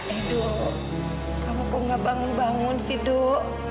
edo kamu kok gak bangun bangun sih duk